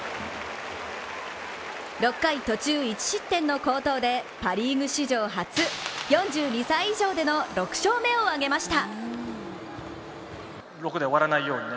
６回途中１失点の好投でパ・リーグ史上初４２歳以上での６勝目を挙げました。